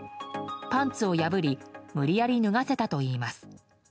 パンツを破り無理やり脱がせたといいます。